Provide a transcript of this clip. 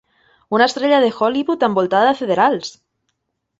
Una estrella de Hollywood envoltada de federals!